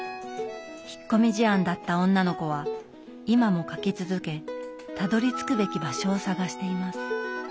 引っ込み思案だった女の子は今も書き続けたどりつくべき場所を探しています。